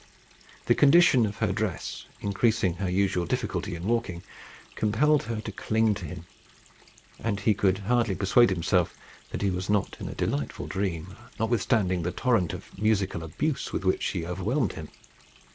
The condition of her dress, increasing her usual difficulty in walking, compelled her to cling to him; and he could hardly persuade himself that he was not in a delightful dream, notwithstanding the torrent of musical abuse with which she overwhelmed him.